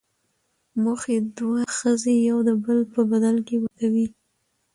موخۍ، دوې ښځي يو دبل په بدل کي ورکول.